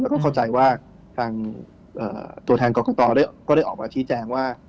แล้วก็เข้าใจว่าทางตัวแทนกรกตก็ได้ออกมาชี้แจงว่า